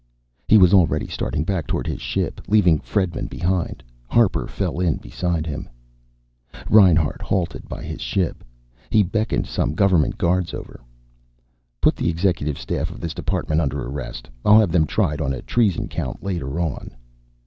He was already starting back toward his ship, leaving Fredman behind. Harper fell in beside him. Reinhart halted by his ship. He beckoned some Government guards over. "Put the executive staff of this department under arrest. I'll have them tried on a treason count, later on."